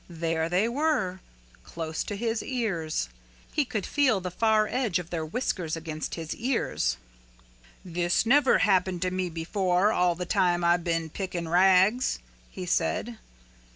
There they were, close to his ears. He could feel the far edge of their whiskers against his ears. "This never happened to me before all the time I been picking rags," he said.